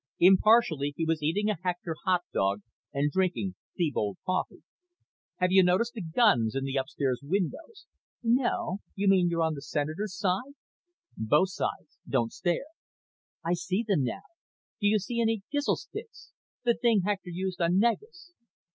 Impartially, he was eating a Hector hot dog and drinking Thebold coffee. "Have you noticed the guns in the upstairs windows?" "No. You mean on the Senator's side?" "Both sides. Don't stare." "I see them now. Do you see any Gizl sticks? The thing Hector used on Negus?"